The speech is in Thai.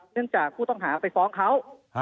เนื่องจากผู้ต้องหาไปฟ้องเขา